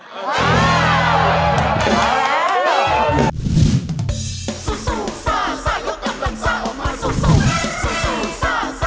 ขอบคุณครับ